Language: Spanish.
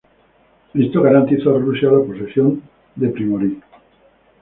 Esto garantizó a Rusia la posesión de Primorie.